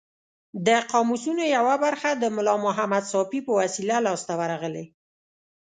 د قاموسونو یوه برخه د ملا محمد ساپي په وسیله لاس ته ورغلې.